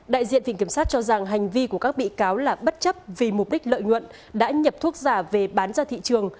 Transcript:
đại diện viện kiểm sát cho rằng hành vi của các bị cáo là bất chấp vì mục đích lợi nhuận đã nhập thuốc giả về bán ra thị trường